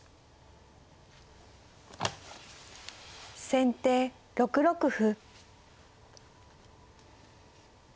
先手６六歩。